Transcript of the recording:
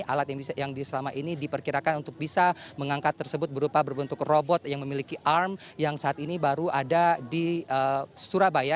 alat yang selama ini diperkirakan untuk bisa mengangkat tersebut berupa berbentuk robot yang memiliki arm yang saat ini baru ada di surabaya